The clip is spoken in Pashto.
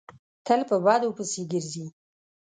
تل په بدو پسې ګرځي.